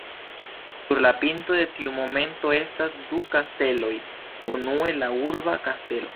Sur la pinto de tiu monteto estas du kasteloj, unue la urba kastelo.